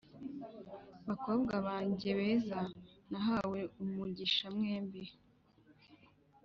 bakobwa banje beza, nahawe umugisha mwembi ...